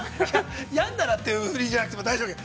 病んだらという振りじゃなくても大丈夫よ。